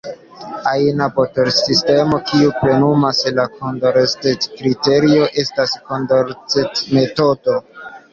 Ajna balotsistemo kiu plenumas la Kondorcet-kriterion estas Kondorcet-metodo.